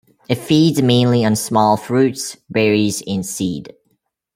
It feeds mainly on small fruits, berries and seed.